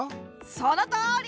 そのとおり！